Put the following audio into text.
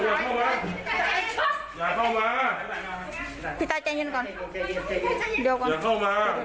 แล้วสักครั้งมึงไม่โทน